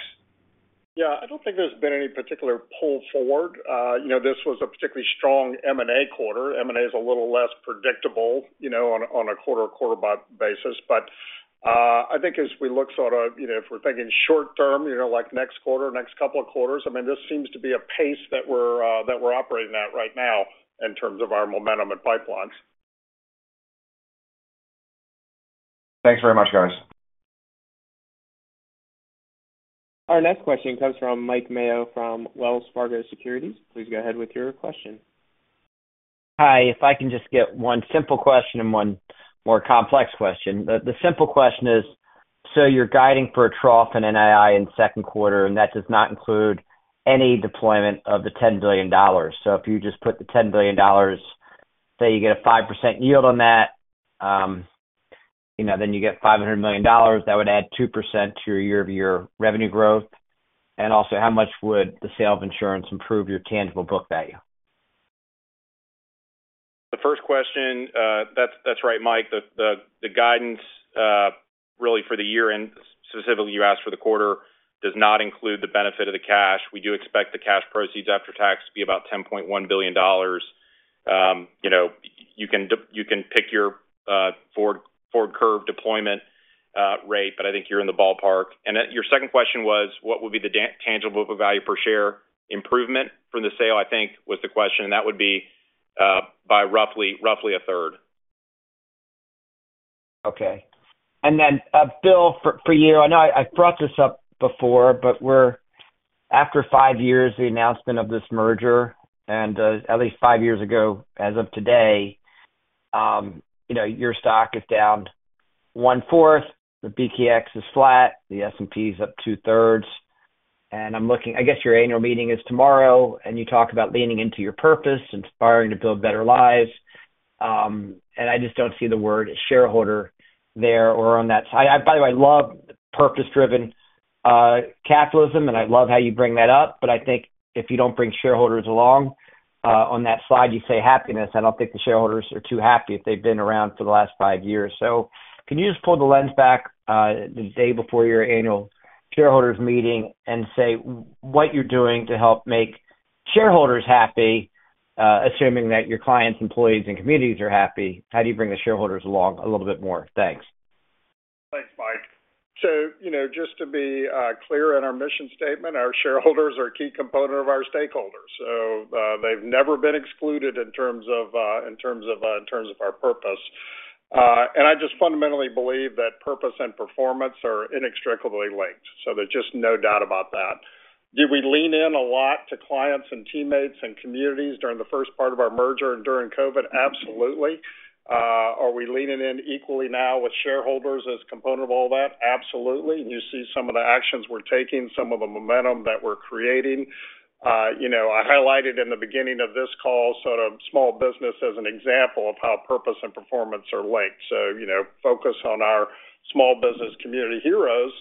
Yeah. I don't think there's been any particular pull forward. This was a particularly strong M&A quarter. M&A is a little less predictable on a quarter-to-quarter basis. But I think as we look sort of if we're thinking short-term, like next quarter, next couple of quarters, I mean, this seems to be a pace that we're operating at right now in terms of our momentum and pipelines. Thanks very much, guys. Our next question comes from Mike Mayo from Wells Fargo Securities. Please go ahead with your question. Hi. If I can just get one simple question and one more complex question. The simple question is, so you're guiding for a trough in NII in second quarter, and that does not include any deployment of the $10 billion. So if you just put the $10 billion, say you get a 5% yield on that, then you get $500 million. That would add 2% to your year-over-year revenue growth. And also, how much would the sale of insurance improve your tangible book value? The first question, that's right, Mike. The guidance really for the year, and specifically, you asked for the quarter, does not include the benefit of the cash. We do expect the cash proceeds after tax to be about $10.1 billion. You can pick your forward curve deployment rate, but I think you're in the ballpark. And your second question was, what would be the tangible book value per share improvement from the sale, I think, was the question. And that would be by roughly a third. Okay. And then, Bill, for you, I know I've brought this up before, but after five years, the announcement of this merger, and at least five years ago as of today, your stock is down one-fourth. The BKX is flat. The S&P is up two-thirds. And I guess your annual meeting is tomorrow, and you talk about leaning into your purpose, aspiring to build better lives. And I just don't see the word shareholder there or on that side. By the way, I love purpose-driven capitalism, and I love how you bring that up. But I think if you don't bring shareholders along on that slide, you say happiness. I don't think the shareholders are too happy if they've been around for the last five years. Can you just pull the lens back the day before your annual shareholders' meeting and say what you're doing to help make shareholders happy, assuming that your clients, employees, and communities are happy? How do you bring the shareholders along a little bit more? Thanks. Thanks, Mike. So just to be clear in our mission statement, our shareholders are a key component of our stakeholders. So they've never been excluded in terms of our purpose. And I just fundamentally believe that purpose and performance are inextricably linked. So there's just no doubt about that. Did we lean in a lot to clients and teammates and communities during the first part of our merger and during COVID? Absolutely. Are we leaning in equally now with shareholders as a component of all that? Absolutely. And you see some of the actions we're taking, some of the momentum that we're creating. I highlighted in the beginning of this call sort of small business as an example of how purpose and performance are linked. So focus on our small business community heroes,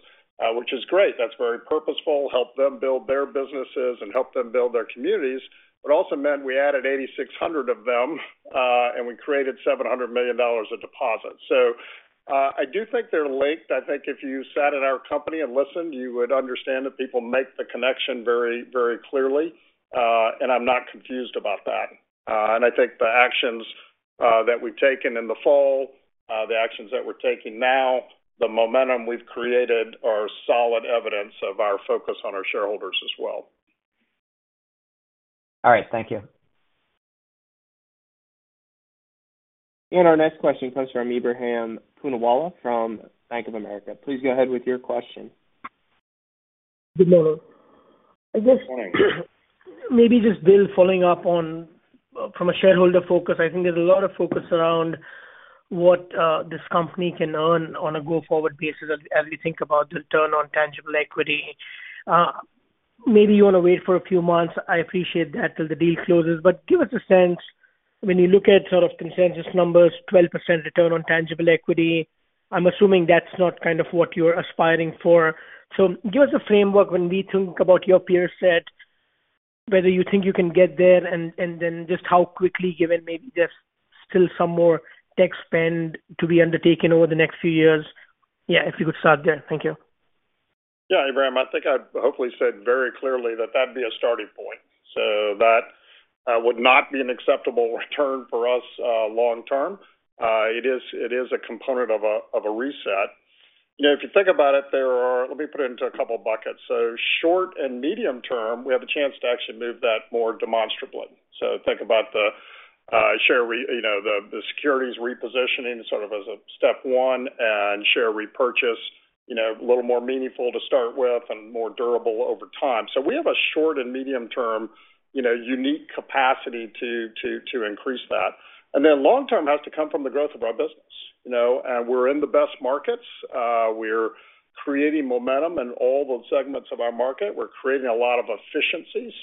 which is great. That's very purposeful. Help them build their businesses and help them build their communities. But it also meant we added 8,600 of them, and we created $700 million of deposits. So I do think they're linked. I think if you sat in our company and listened, you would understand that people make the connection very, very clearly. And I'm not confused about that. And I think the actions that we've taken in the fall, the actions that we're taking now, the momentum we've created are solid evidence of our focus on our shareholders as well. All right. Thank you. And our next question comes from Ebrahim Poonawala from Bank of America. Please go ahead with your question. Good morning. I guess. Good morning. Maybe just Bill following up from a shareholder focus. I think there's a lot of focus around what this company can earn on a go-forward basis as we think about the return on tangible equity. Maybe you want to wait for a few months. I appreciate that till the deal closes. But give us a sense. When you look at sort of consensus numbers, 12% return on tangible equity, I'm assuming that's not kind of what you're aspiring for. So give us a framework when we think about your peer set, whether you think you can get there, and then just how quickly, given maybe there's still some more tech spend to be undertaken over the next few years. Yeah. If you could start there. Thank you. Yeah. Ebrahim, I think I hopefully said very clearly that that'd be a starting point. So that would not be an acceptable return for us long-term. It is a component of a reset. If you think about it, there are. Let me put it into a couple of buckets. So short- and medium-term, we have a chance to actually move that more demonstrably. So think about the securities repositioning sort of as a step one and share repurchase, a little more meaningful to start with and more durable over time. So we have a short- and medium-term unique capacity to increase that. And then long-term has to come from the growth of our business. And we're in the best markets. We're creating momentum in all the segments of our market. We're creating a lot of efficiency.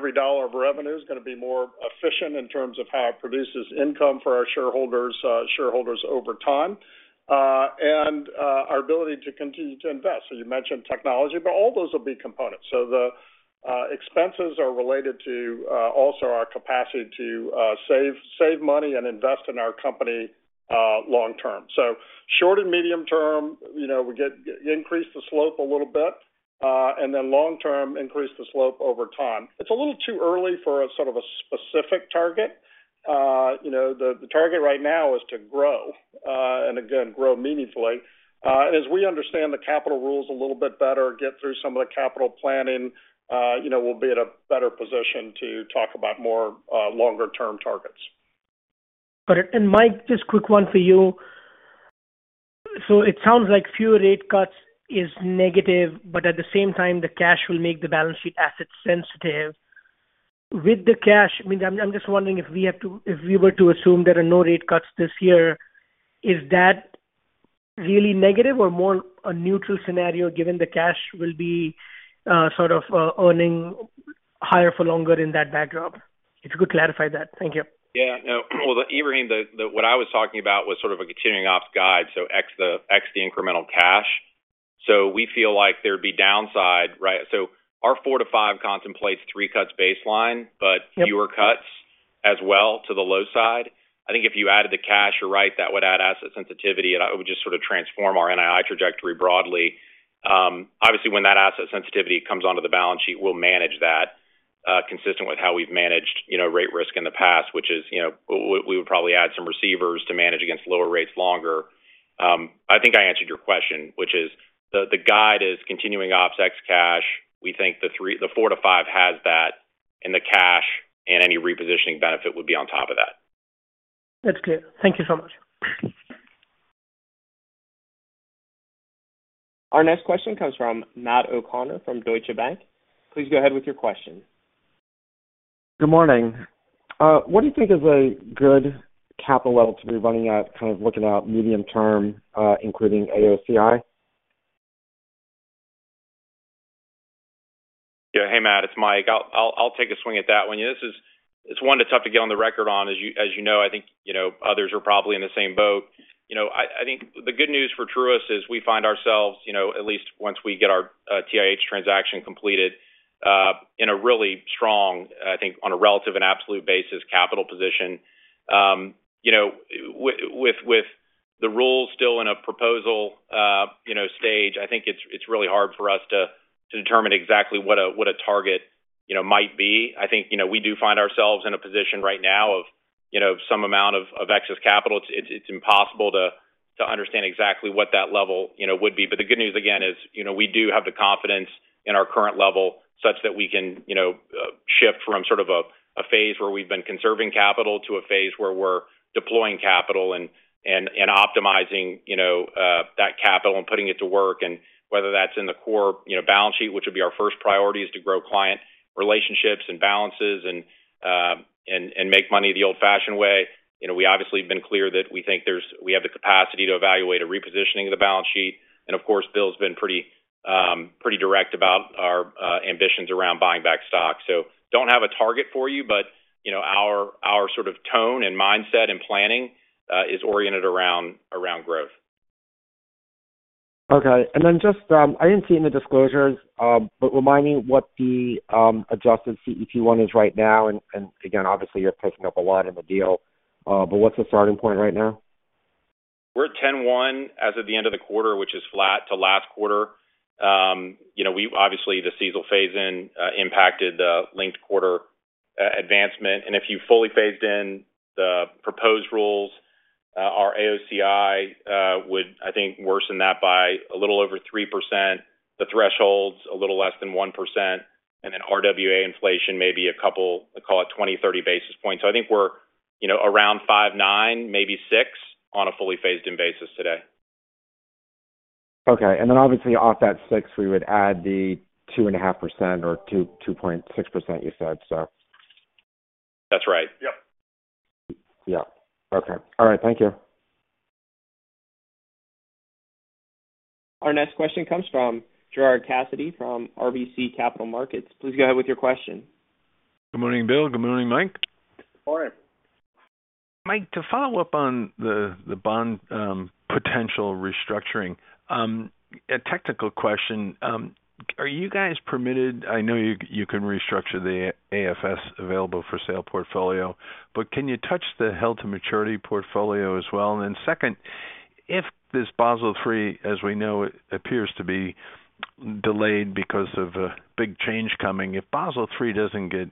Every dollar of revenue is going to be more efficient in terms of how it produces income for our shareholders over time and our ability to continue to invest. You mentioned technology, but all those will be components. The expenses are related to also our capacity to save money and invest in our company long-term. Short and medium term, we increase the slope a little bit, and then long-term, increase the slope over time. It's a little too early for sort of a specific target. The target right now is to grow, and again, grow meaningfully. As we understand the capital rules a little bit better, get through some of the capital planning, we'll be in a better position to talk about more longer-term targets. Got it. And Mike, just quick one for you. So it sounds like fewer rate cuts is negative, but at the same time, the cash will make the balance sheet asset sensitive. With the cash I mean, I'm just wondering if we were to assume there are no rate cuts this year, is that really negative or more a neutral scenario given the cash will be sort of earning higher for longer in that backdrop? If you could clarify that. Thank you. Yeah. No. Well, Ebrahim, what I was talking about was sort of a continuing ops guide, so ex the incremental cash. So we feel like there'd be downside, right? So our 4-5 contemplates 3 cuts baseline, but fewer cuts as well to the low side. I think if you added the cash, you're right, that would add asset sensitivity, and it would just sort of transform our NII trajectory broadly. Obviously, when that asset sensitivity comes onto the balance sheet, we'll manage that consistent with how we've managed rate risk in the past, which is we would probably add some receivers to manage against lower rates longer. I think I answered your question, which is the guide is continuing ops ex cash. We think the 4-5 has that, and the cash and any repositioning benefit would be on top of that. That's clear. Thank you so much. Our next question comes from Matt O'Connor from Deutsche Bank. Please go ahead with your question. Good morning. What do you think is a good capital level to be running at kind of looking out medium-term, including AOCI? Yeah. Hey, Matt. It's Mike. I'll take a swing at that one here. It's one that's tough to get on the record on. As you know, I think others are probably in the same boat. I think the good news for Truist is we find ourselves, at least once we get our TIH transaction completed, in a really strong, I think, on a relative and absolute basis, capital position. With the rules still in a proposal stage, I think it's really hard for us to determine exactly what a target might be. I think we do find ourselves in a position right now of some amount of excess capital. It's impossible to understand exactly what that level would be. But the good news, again, is we do have the confidence in our current level such that we can shift from sort of a phase where we've been conserving capital to a phase where we're deploying capital and optimizing that capital and putting it to work. And whether that's in the core balance sheet, which would be our first priority, is to grow client relationships and balances and make money the old-fashioned way. We obviously have been clear that we think we have the capacity to evaluate a repositioning of the balance sheet. And of course, Bill's been pretty direct about our ambitions around buying back stock. So don't have a target for you, but our sort of tone and mindset and planning is oriented around growth. Okay. And then just I didn't see it in the disclosures, but remind me what the adjusted CET1 is right now. And again, obviously, you're picking up a lot in the deal, but what's the starting point right now? We're at 10.1 as of the end of the quarter, which is flat to last quarter. Obviously, the seasonal phase-in impacted the linked quarter advancement. If you fully phased in the proposed rules, our AOCI would, I think, worsen that by a little over 3%, the thresholds a little less than 1%, and then RWA inflation maybe a couple call it 20-30 basis points. So I think we're around 5.9, maybe 6 on a fully phased-in basis today. Okay. And then obviously, off that 6, we would add the 2.5% or 2.6% you said, so. That's right. Yep. Yep. Okay. All right. Thank you. Our next question comes from Gerard Cassidy from RBC Capital Markets. Please go ahead with your question. Good morning, Bill. Good morning, Mike. Morning. Mike, to follow up on the bond potential restructuring, a technical question. Are you guys permitted? I know you can restructure the AFS available for sale portfolio, but can you touch the held-to-maturity portfolio as well? And then second, if this Basel III, as we know, appears to be delayed because of a big change coming, if Basel III doesn't get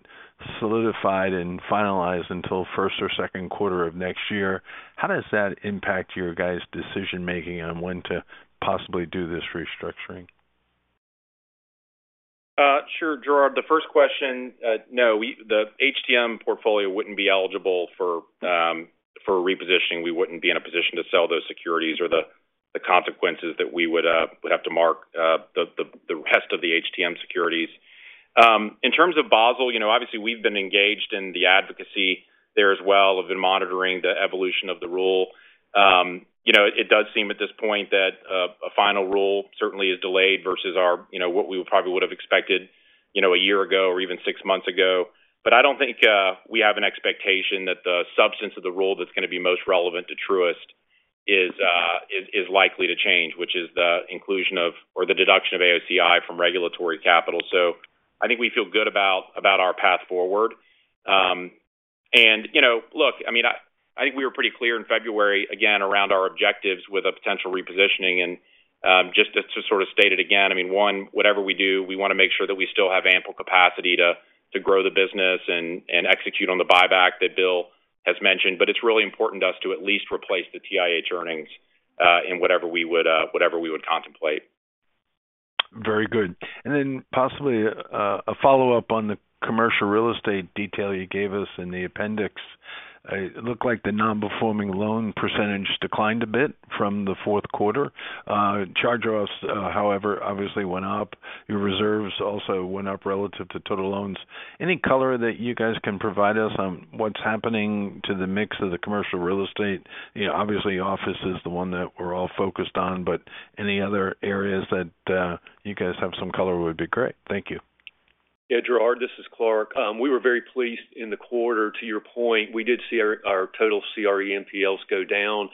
solidified and finalized until first or second quarter of next year, how does that impact your guys' decision-making on when to possibly do this restructuring? Sure, Gerard. The first question, no. The HTM portfolio wouldn't be eligible for repositioning. We wouldn't be in a position to sell those securities or the consequences that we would have to mark the rest of the HTM securities. In terms of Basel, obviously, we've been engaged in the advocacy there as well, have been monitoring the evolution of the rule. It does seem at this point that a final rule certainly is delayed versus what we probably would have expected a year ago or even six months ago. But I don't think we have an expectation that the substance of the rule that's going to be most relevant to Truist is likely to change, which is the inclusion of or the deduction of AOCI from regulatory capital. So I think we feel good about our path forward. And look, I mean, I think we were pretty clear in February, again, around our objectives with a potential repositioning. And just to sort of state it again, I mean, one, whatever we do, we want to make sure that we still have ample capacity to grow the business and execute on the buyback that Bill has mentioned. But it's really important to us to at least replace the TIH earnings in whatever we would contemplate. Very good. And then possibly a follow-up on the commercial real estate detail you gave us in the appendix. It looked like the non-performing loan percentage declined a bit from the fourth quarter. Charge-offs, however, obviously, went up. Your reserves also went up relative to total loans. Any color that you guys can provide us on what's happening to the mix of the commercial real estate? Obviously, office is the one that we're all focused on, but any other areas that you guys have some color would be great. Thank you. Yeah, Gerard, this is Clarke. We were very pleased in the quarter. To your point, we did see our total CRE NPLs go down,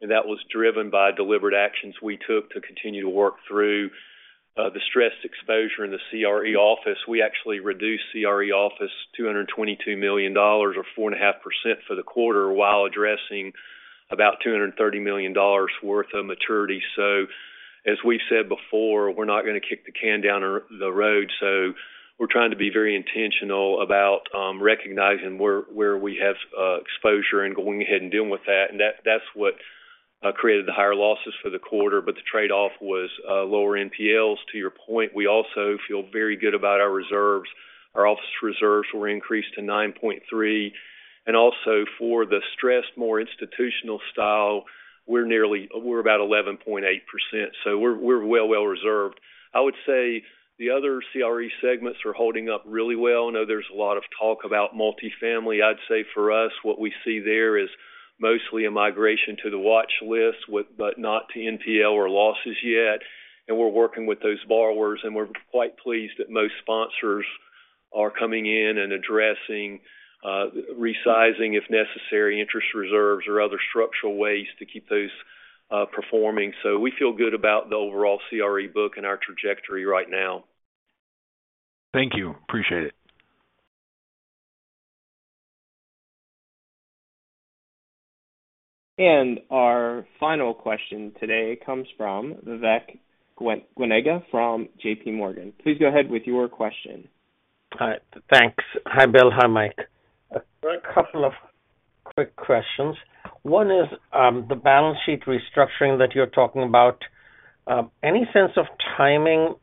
and that was driven by deliberate actions we took to continue to work through the stressed exposure in the CRE office. We actually reduced CRE office $222 million or 4.5% for the quarter while addressing about $230 million worth of maturity. So as we've said before, we're not going to kick the can down the road. So we're trying to be very intentional about recognizing where we have exposure and going ahead and dealing with that. And that's what created the higher losses for the quarter. But the trade-off was lower NPLs. To your point, we also feel very good about our reserves. Our office reserves were increased to 9.3%. And also for the stressed more institutional style, we're about 11.8%. So we're well, well reserved. I would say the other CRE segments are holding up really well. I know there's a lot of talk about multifamily. I'd say for us, what we see there is mostly a migration to the watch list but not to NPL or losses yet. And we're working with those borrowers, and we're quite pleased that most sponsors are coming in and addressing resizing, if necessary, interest reserves or other structural ways to keep those performing. So we feel good about the overall CRE book and our trajectory right now. Thank you. Appreciate it. Our final question today comes from Vivek Juneja from J.P. Morgan. Please go ahead with your question. All right. Thanks. Hi, Bill. Hi, Mike. A couple of quick questions. One is the balance sheet restructuring that you're talking about. Any sense of timing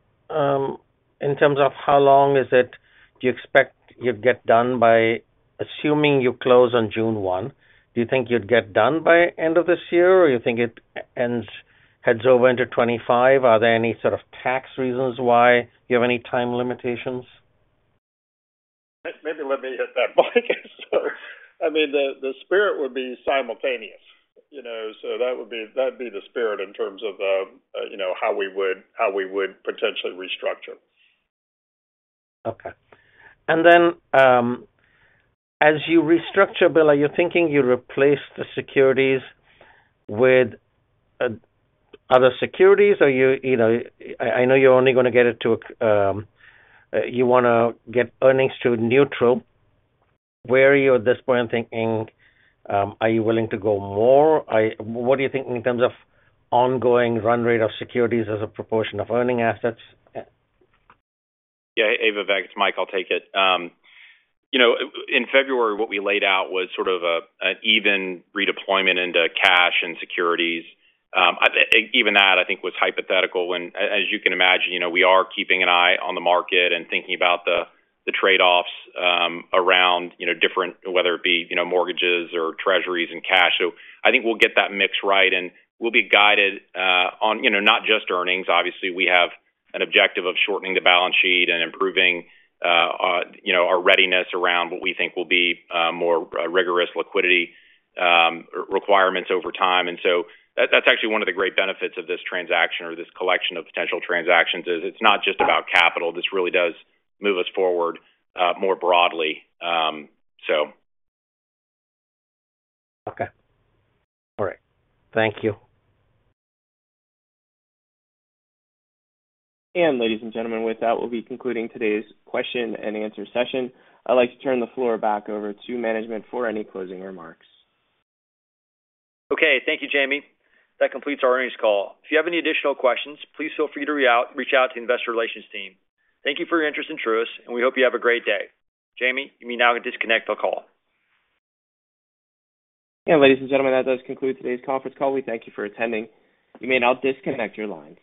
in terms of how long is it do you expect you'd get done by assuming you close on June 1? Do you think you'd get done by end of this year, or do you think it heads over into 2025? Are there any sort of tax reasons why? Do you have any time limitations? Maybe let me hit that, Mike. I mean, the spirit would be simultaneous. So that would be the spirit in terms of how we would potentially restructure. Okay. And then as you restructure, Bill, are you thinking you replace the securities with other securities, or I know you're only going to get it to you want to get earnings to neutral. Where are you at this point thinking? Are you willing to go more? What are you thinking in terms of ongoing run rate of securities as a proportion of earning assets? Yeah. Hey, Vivek. It's Mike. I'll take it. In February, what we laid out was sort of an even redeployment into cash and securities. Even that, I think, was hypothetical. And as you can imagine, we are keeping an eye on the market and thinking about the trade-offs around different, whether it be mortgages or treasuries and cash. So I think we'll get that mix right, and we'll be guided on not just earnings. Obviously, we have an objective of shortening the balance sheet and improving our readiness around what we think will be more rigorous liquidity requirements over time. And so that's actually one of the great benefits of this transaction or this collection of potential transactions is it's not just about capital. This really does move us forward more broadly, so. Okay. All right. Thank you. Ladies and gentlemen, with that, we'll be concluding today's question and answer session. I'd like to turn the floor back over to management for any closing remarks. Okay. Thank you, Jamie. That completes our earnings call. If you have any additional questions, please feel free to reach out to the investor relations team. Thank you for your interest in Truist, and we hope you have a great day. Jamie, you may now disconnect the call. Ladies and gentlemen, that does conclude today's conference call. We thank you for attending. You may now disconnect your lines.